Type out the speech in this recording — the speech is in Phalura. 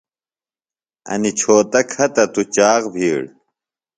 انیۡ چھوتہ کھہ تہ توۡ چاخ بِھیڑ